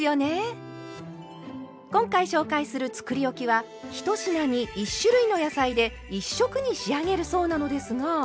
今回紹介するつくりおきは１品に１種類の野菜で１色に仕上げるそうなのですが。